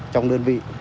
trong đơn vị